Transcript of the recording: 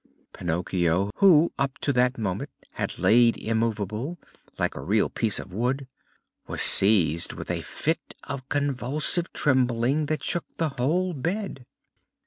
Pinocchio, who up to that moment had lain immovable, like a real piece of wood, was seized with a fit of convulsive trembling that shook the whole bed.